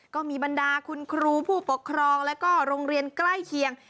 ก็มีบรรดาคุณครูผู้ปกครองแล้วก็โรงเรียนใกล้เคียง